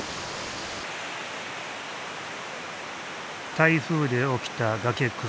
台風で起きた崖崩れ。